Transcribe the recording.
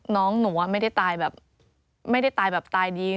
น้องหนูไม่ได้ตายแบบไม่ได้ตายแบบตายดี